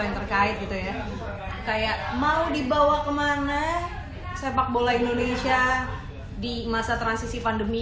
yang terkait gitu ya kayak mau dibawa kemana sepak bola indonesia di masa transisi pandemi